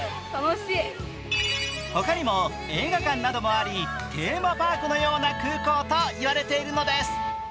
ほかにも映画館などもあり、テーマパークのような空港と言われているんです。